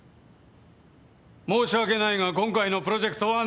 申し訳ないが今回のプロジェクトはなかったことに。